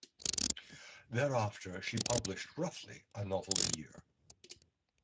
Thereafter, she published roughly a novel a year.